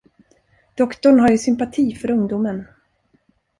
Doktorn har ju sympati för ungdomen.